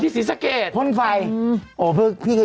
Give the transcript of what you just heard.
ที่ศิษฐกรรมพ่นไฟ